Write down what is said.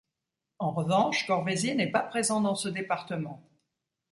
En revanche, Corvaisier n'est pas présent dans ce département.